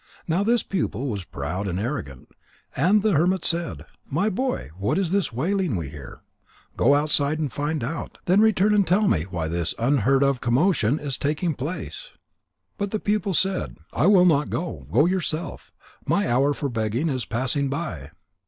Now this pupil was proud and arrogant. And the hermit said: "My boy, what is this wailing we hear? Go outside and find out, then return and tell me why this unheard of commotion is taking place." But the pupil said: "I will not go. Go yourself. My hour for begging is passing by."